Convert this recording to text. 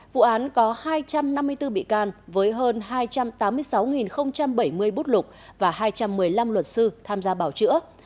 vụ án có hai trăm năm mươi bốn bị can với hơn hai trăm tám mươi sáu bảy mươi bút lục và hai trăm một mươi năm luật sư tham gia bảo chữa